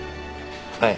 はい。